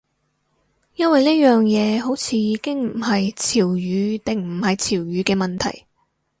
因為呢樣嘢好似已經唔係潮語定唔係潮語嘅問題